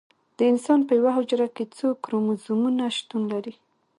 د انسان په یوه حجره کې څو کروموزومونه شتون لري